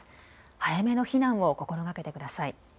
早めの避難を心がけてください。